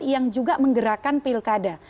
yang juga menggerakkan pilkada